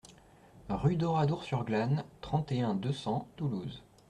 Rue d'Oradour sur Glane, trente et un, deux cents Toulouse